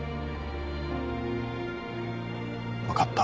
分かった。